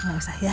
gak usah ya